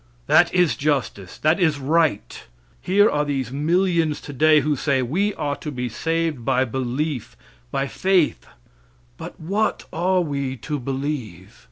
That is justice, that is right. Here are these millions today who say: "We are to be saved by belief, by faith; but what are we to believe?"